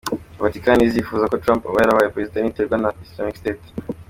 Vatican izifuza ko Trump aba yarabaye Perezida niterwa na Islamic State.